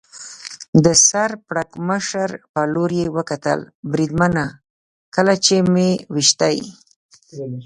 د سر پړکمشر په لور یې وکتل، بریدمنه، کله چې مې وېشتی.